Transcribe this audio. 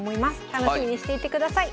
楽しみにしていてください。